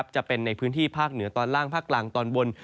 จะเป็นในพื้นที่ภาคเหนือตอนล่างภาคกลางตอนบน